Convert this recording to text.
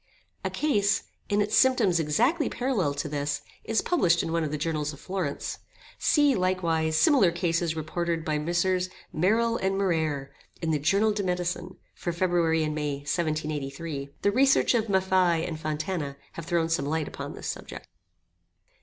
[*]* A case, in its symptoms exactly parallel to this, is published in one of the Journals of Florence. See, likewise, similar cases reported by Messrs. Merille and Muraire, in the "Journal de Medicine," for February and May, 1783. The researches of Maffei and Fontana have thrown some light upon this subject.